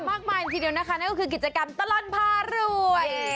มากมายทีเดียวนะคะนั่นก็คือกิจกรรมตลอดพารวย